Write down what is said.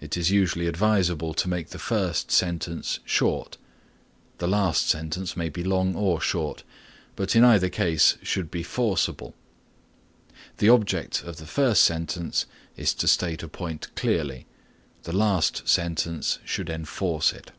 It is usually advisable to make the first sentence short; the last sentence may be long or short, but in either case should be forcible. The object of the first sentence is to state a point clearly; the last sentence should enforce it.